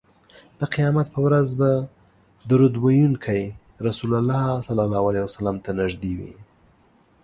د قیامت په ورځ به درود ویونکی رسول الله ته نږدې وي